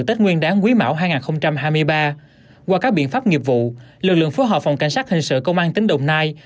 tết nguyên đáng quý mão hai nghìn hai mươi ba qua các biện pháp nghiệp vụ lực lượng phối hợp phòng cảnh sát hình sự công an tỉnh đồng nai